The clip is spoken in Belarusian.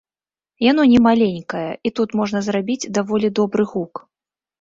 Яно немаленькае і тут можна зрабіць даволі добры гук.